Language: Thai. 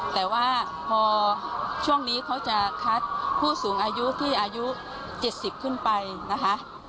แต่ว่าพอช่วงนี้เขาจะคัดผู้สูงอายุที่อายุ๗๐ขึ้นไปนะคะ